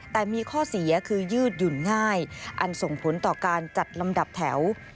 แต่มีข้อเสียคือยืดหยุ่นง่ายอันส่งผลต่อการจัดลำดับแถว